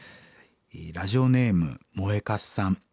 ラジオネームもえかすさん。